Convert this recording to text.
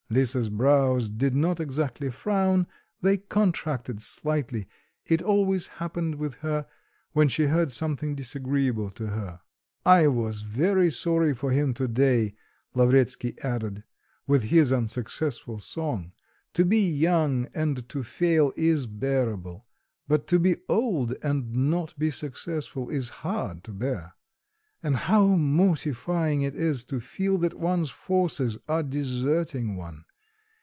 Lisa's brows did not exactly frown, they contracted slightly; it always happened with her when she heard something disagreeable to her. "I was very sorry for him to day," Lavretsky added, "with his unsuccessful song. To be young and to fail is bearable; but to be old and not be successful is hard to bear. And how mortifying it is to feel that one's forces are deserting one!